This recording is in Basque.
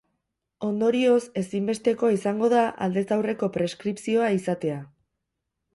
Ondorioz, ezinbestekoa izango da aldez aurreko preskripzioa izatea.